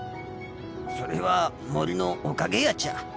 それは森のおかげやちゃ。